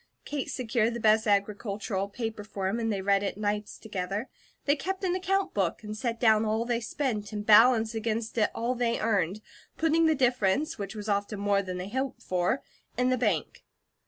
Kate secured the best agricultural paper for him and they read it nights together. They kept an account book, and set down all they spent, and balanced against it all they earned, putting the difference, which was often more than they hoped for, in the bank.